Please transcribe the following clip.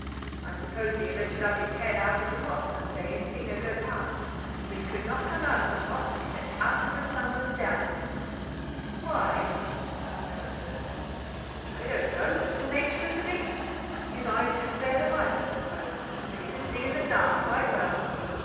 I suppose he had lifted up his head out of the pot some day and seen her go past, but he could not come out of the pot except after the sun was down." "Why?" asked Allister. "I don't know. It was the nature of the beast. His eyes couldn't bear the light, I suppose; but he could see in the dark quite well.